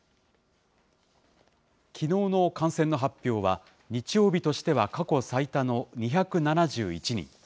きのうの感染の発表は、日曜日としては過去最多の２７１人。